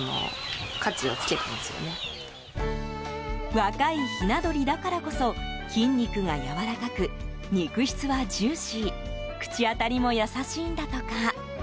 若いひな鶏だからこそ筋肉がやわらかく肉質はジューシー口当たりも優しいんだとか。